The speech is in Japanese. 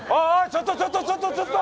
ちょっとちょっとちょっとちょっと。